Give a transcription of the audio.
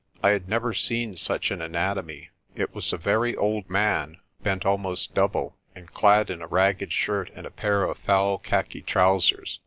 I had never seen such an anatomy. It was a very old man, bent almost double, and clad in a ragged shirt and a pair of foul khaki trousers.